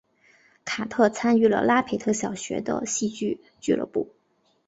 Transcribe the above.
卡特参与了拉斐特小学的戏剧俱乐部。